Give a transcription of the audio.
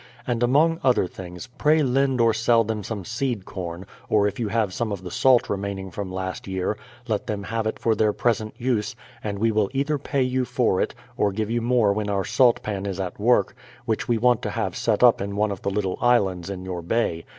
... And among other things, pray lend or sell them some seed corn, or if you have some of the salt remaining from last year, let them have it for their present use, and we will either pay you for it, or give you more when our salt pan is at work, which we want to have set up in c^e of the little islands in your bay.